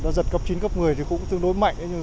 đã giật cấp chín cấp một mươi thì cũng tương đối mạnh